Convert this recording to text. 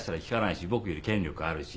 僕より権力あるし。